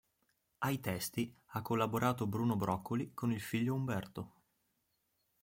Ai testi ha collaborato Bruno Broccoli con il figlio Umberto.